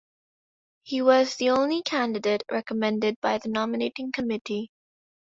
He was the only candidate recommended by the nominating committee.